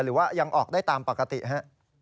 หรือว่ายังออกได้ตามปกติฮะ